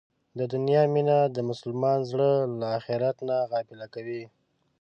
د دنیا مینه د مسلمان زړه له اخرت نه غافله کوي.